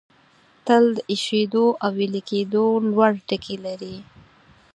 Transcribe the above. تل د ایشېدو او ویلي کېدو لوړ ټکي لري.